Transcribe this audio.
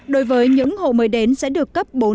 đối với những hộ mới đến sẽ được cấp